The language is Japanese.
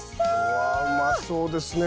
うわうまそうですね